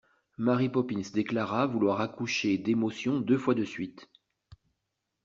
Mary Poppins déclarera vouloir accoucher d'émotions deux fois de suite.